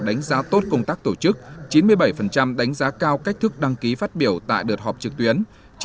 đánh giá tốt công tác tổ chức chín mươi bảy đánh giá cao cách thức đăng ký phát biểu tại đợt họp trực tuyến